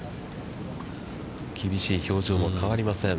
厳しい表情も変わりません。